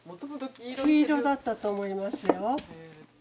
黄色だったと思いますよ。